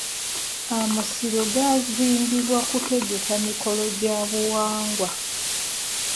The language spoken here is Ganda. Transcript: Amasiro gaazimbibwa kutegeka mikolo gya buwangwa.